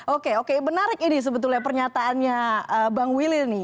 oke oke menarik ini sebetulnya pernyataannya bang willy nih